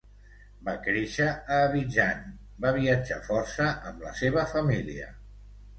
Va créixer a Abidjan, va viatjar força amb la seva família.